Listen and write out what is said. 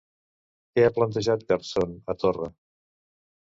Què ha plantejat Garzón a Torra?